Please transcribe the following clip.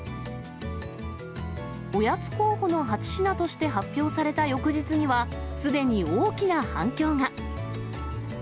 おやつ候補の８品として発表された翌日には、すでに大きな反響が。